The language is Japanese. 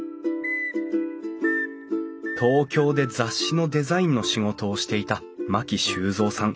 東京で雑誌のデザインの仕事をしていた牧修三さん知子さん夫妻。